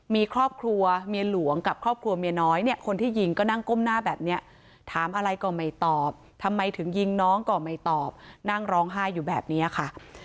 มีครอบครัวเมียหลวงกับครอบครัวเมียน้อยเนี่ยคนที่ยิงก็นั่งก้มหน้าแบบนี้ถามอะไรก็ไม่ตอบทำไมถึงยิงน้องก็ไม่ตอบนั่งร้องไห้อยู่แบบนี้ค่ะ